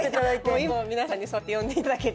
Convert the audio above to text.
今でも皆さんにそうやって呼んでいただけて。